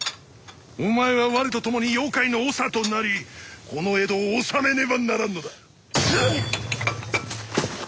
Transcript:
お前は我と共に妖怪の長となりこの江戸をおさめねばならんのだ！